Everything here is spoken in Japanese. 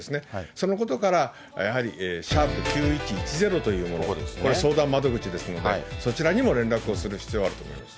そのことからやはり＃９１１０という、相談窓口ですので、そちらにも連絡をする必要があると思います。